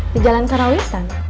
di jalan karawitan